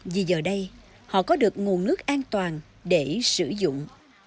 vì giờ đây họ có được nguồn nước an toàn để sử dụng